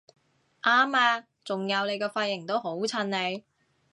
啱吖！仲有你個髮型都好襯你！